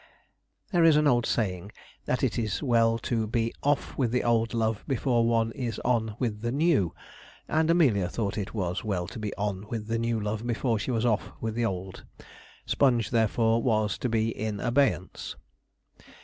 There is an old saying, that it is well to be 'off with the old love before one is on with the new,' and Amelia thought it was well to be on with the new love before she was off with the old. Sponge, therefore, was to be in abeyance.